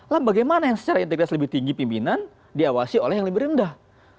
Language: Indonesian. lah bagaimana yang secara integritas lebih tinggi pimpinan diawasi oleh yang lebih rendah